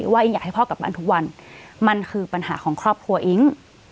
ว่าอิ๊งอยากให้พ่อกลับบ้านทุกวันมันคือปัญหาของครอบครัวอิ๊ง